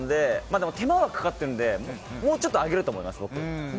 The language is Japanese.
でも手間がかかってるのでもうちょっと上げると思います。